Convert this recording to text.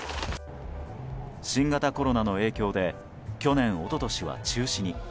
新型コロナの影響で去年、一昨年は中止に。